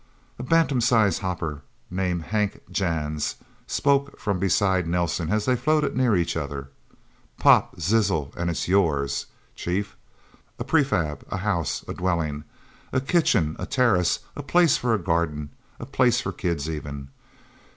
A bantam sized hopper named Hank Janns spoke from beside Nelsen as they floated near each other. "Pop sizzle and it's yours, Chief. A prefab, a house, a dwelling. A kitchen, a terrace, a place for a garden, a place for kids, even...